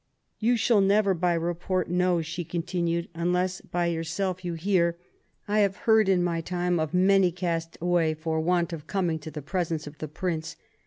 " You shall never by report know," she continued, unless by yourself you hear. I have heard in my time of many cast away tor want of coming to the presence of the Prince.